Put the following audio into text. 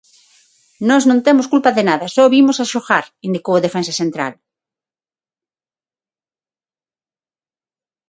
Nós non temos culpa de nada, só vimos a xogar, indicou o defensa central.